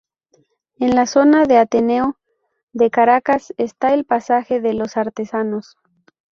En la zona del Ateneo de Caracas está el pasaje de los artesanos.